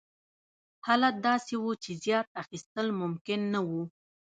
حالت داسې و چې زیات اخیستل ممکن نه وو.